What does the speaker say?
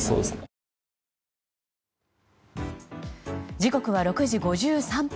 時刻は６時５３分。